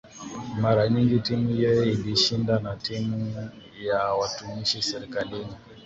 Mara nyingi timu hiyo ilishindana na timu ya watumishi serikalini